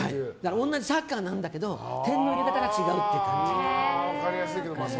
同じサッカーなんだけど点の入れ方が違うっていう。